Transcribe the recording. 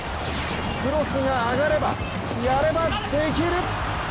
クロスが上がればやればできる！